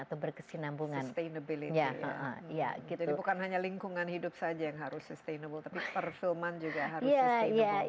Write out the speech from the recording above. jadi bukan hanya lingkungan hidup saja yang harus sustainable tapi perfilman juga harus sustainable